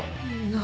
何？